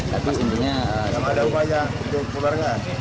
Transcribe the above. tapi sebenarnya kalau ada upaya untuk keluarga